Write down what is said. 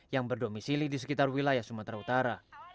yang berdomisili di sekitar wilayah sumatera utara